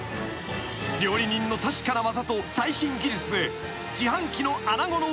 ［料理人の確かな技と最新技術で自販機の穴子の薄造りに高評価が］